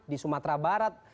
di sumatera barat